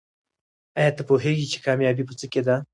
آیا ته پوهېږې چې کامیابي په څه کې ده؟